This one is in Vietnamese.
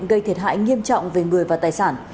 gây thiệt hại nghiêm trọng về người và tài sản